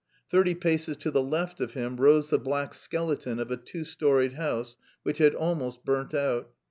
Thirty paces to the left of him rose the black skeleton of a two storied house which had almost burnt out.